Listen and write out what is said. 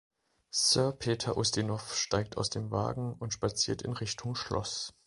Sir Peter Ustinov steigt aus dem Wagen und spaziert in Richtung Schloss.